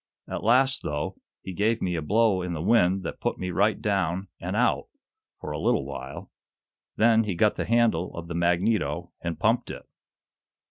"At last, though, he gave me a blow in the wind that put me right down and out, for a little while. Then he got the handle of the magneto and pumped it."